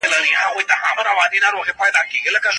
مقايسه په علم کي څه ګټه لري؟